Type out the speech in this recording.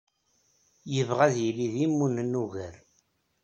Yebɣa ad yili d imunen ugar.